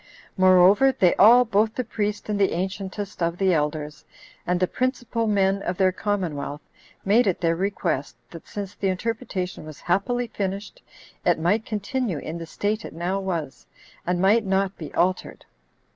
Moreover, they all, both the priest and the ancientest of the elders, and the principal men of their commonwealth, made it their request, that since the interpretation was happily finished, it might continue in the state it now was, and might not be altered.